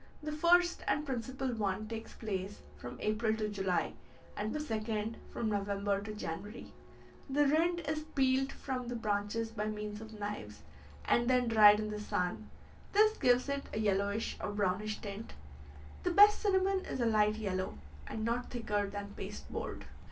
The first and principal one takes place from April to July, and the second from November to January. The rind is peeled from the branches by means of knives, and then dried in the sun; this gives it a yellowish or brownish tint. The best cinnamon is a light yellow, and not thicker than pasteboard.